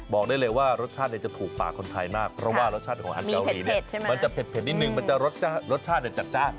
บอกได้เลยว่ารสชาติจะถูกปากคนไทยมากเพราะว่ารสชาติของอาหารเกาหลีเนี่ยมันจะเผ็ดนิดนึงมันจะรสชาติจัดจ้าน